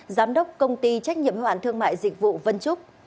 giám đốc công ty trách nhiệm hoạn thương mại dịch vụ vân trúc